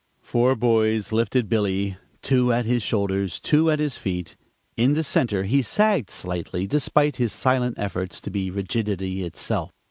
Four boys lifted Billy, two at his shoulders, two at his feet. In the center he sagged slightly, despite his silent efforts to be rigidity itself.